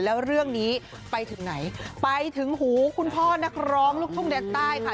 แล้วเรื่องนี้ไปถึงไหนไปถึงหูคุณพ่อนักร้องลูกทุ่งแดนใต้ค่ะ